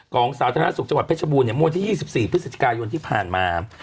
สาธารณสุขจังหวัดเพชรบูรณ์มวลที่๒๔พฤศจิกายนที่ผ่านมา